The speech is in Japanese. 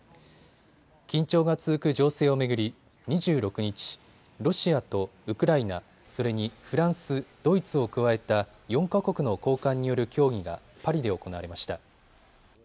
緊張が続く情勢を巡り２６日、ロシアとウクライナ、それに、フランス、ドイツを加えた４か国の高官による協議がパリで行われました。